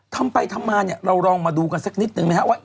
ทำไปทำมาเนี่ยเราลองมาดูกันสักนิดนึงไหมครับว่า